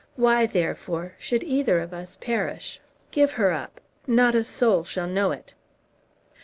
Why, therefore, should either of us perish? Give her up. Not a soul shall know it."